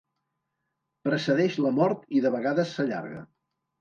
Precedeix la mort i de vegades s'allarga.